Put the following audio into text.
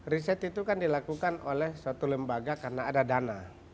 riset itu kan dilakukan oleh suatu lembaga karena ada dana